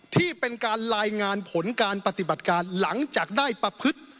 ที่เป็นการรายงานผลการปฏิบัติการหลังจากได้ประพฤติ